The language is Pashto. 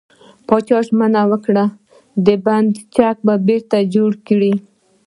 پاچا ژمنه وکړه، بند چک به بېرته جوړ کړي .